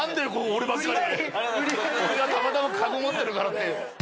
俺がたまたまかご持ってるからって。